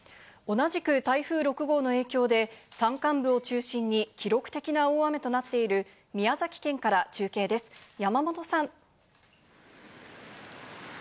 同じく台風６号の影響で山間部を中心に記録的な大雨となっている宮崎県から中継です、山本さん。